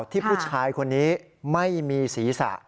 ที่ผู้ชายคนนี้ไม่มีศีรษะ